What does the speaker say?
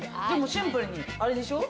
シンプルに、あれでしょ？